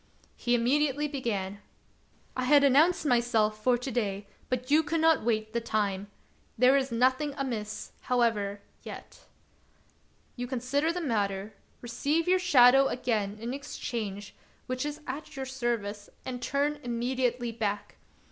He immediately began :—" I had announced myself for to day, but you could not wait the time. There is nothing amiss, however, yet. You consider the matter, receive your shadow again in exchange, which is at your service, and turn immediately back.